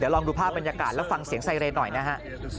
ลองดูภาพบรรยากาศแล้วฟังเสียงไซเรนหน่อยนะฮะ